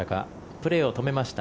プレーを止めました。